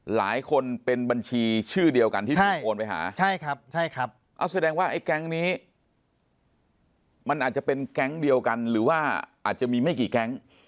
หลายคนเป็นบัญชีชื่อเดียวกันที่ผมโดนไปหา